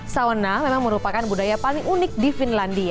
sauna memang merupakan budaya paling unik di finlandia